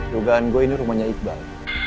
dugaan gue ini rumahnya iqbal